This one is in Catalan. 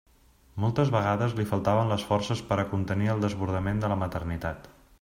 Moltes vegades li faltaven les forces per a contenir el desbordament de la maternitat.